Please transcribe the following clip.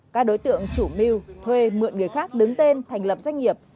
các đối tượng chủ mưu thuê mượn người khác đứng tên thành lập doanh nghiệp